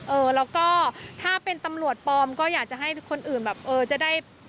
เออแล้วก็ถ้าเป็นตำรวจปลอมก็อยากจะให้คนอื่นแบบเออจะได้